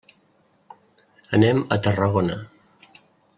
Anem a Tarragona.